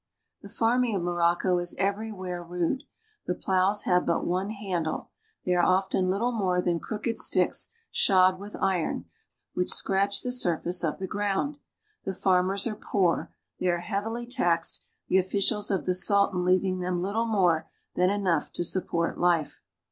The farming of Morocco is every where rude. The ilows have but one .ndle. They arc little more than irooked sticks shod with iron, which scratch the surface of the ground. The farmers arc poor; they are heavily taxed, the officials of the Sultan leaving them little more than enough to sup port life.